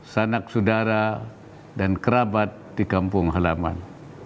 sanak saudara dan kerabat di kampung halaman